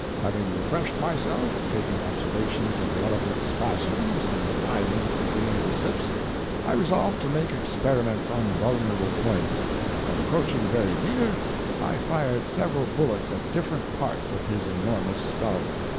Having refreshed myself, taking observations of the elephant's spasms and writhings between the sips, I resolved to make experiments on vulnerable points, and, approaching very near, I fired several bullets at different parts of his enormous skull.